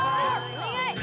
・お願い！